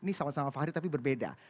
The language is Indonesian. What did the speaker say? ini sama sama fahri tapi berbeda